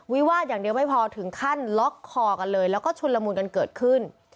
วิวาดอย่างเดียวไม่พอถึงขั้นล็อกคอกันเลยแล้วก็ชุนละมุนกันเกิดขึ้น